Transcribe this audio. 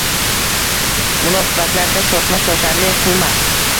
Munosabatlarda shoshma-shosharlik qilma.